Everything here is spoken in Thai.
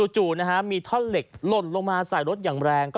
จู่มีท่อนเหล็กหล่นลงมาใส่รถอย่างแรง